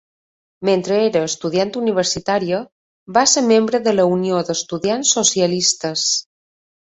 Mentre era estudiant universitària, va ser membre de la unió d'estudiants socialistes.